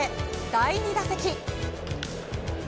第２打席。